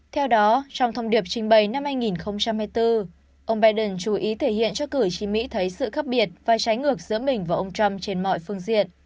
theo đó trong thông điệp trình bày năm hai nghìn hai mươi bốn ông biden chú ý thể hiện cho cử tri mỹ thấy sự khác biệt và trái ngược giữa mình và ông trump trên mọi phương diện